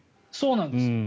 そうなんです。